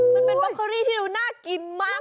มันเป็นบอเคอรี่ที่ดูน่ากินมาก